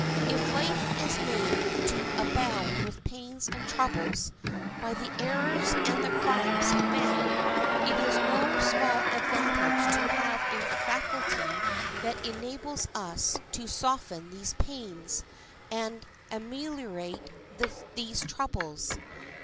If life is made to abound with pains and troubles by the errors and the crimes of man, it is no small advantage to have a faculty that enables us to soften these pains and ameliorate these troubles.